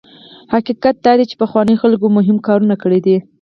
حقیقت دا دی چې پخوانیو خلکو مهم کارونه کړي دي.